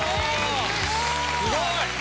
すごい！